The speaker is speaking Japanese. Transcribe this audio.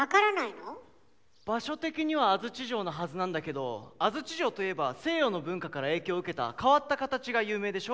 場所的には安土城のはずなんだけど安土城といえば西洋の文化から影響を受けた変わった形が有名でしょ。